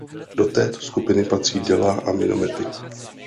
Do této skupiny patří děla a minomety.